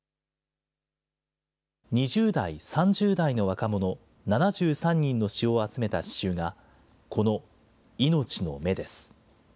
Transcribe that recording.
２０代、３０代の若者７３人の詩を集めた詩集が、このいのちの芽です。